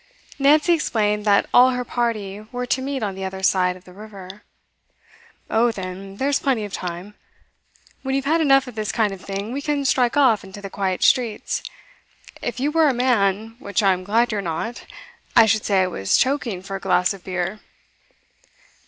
Nancy explained that all her party were to meet on the other side of the river. 'Oh, then, there's plenty of time. When you've had enough of this kind of thing we can strike off into the quiet streets. If you were a man, which I'm glad you're not, I should say I was choking for a glass of beer.